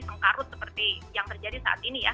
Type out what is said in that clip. sengkarut seperti yang terjadi saat ini ya